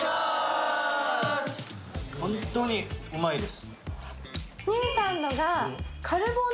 ホントにうまいです。